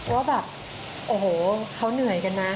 ว่าแบบโอ้โหเขาเหนื่อยกันนะ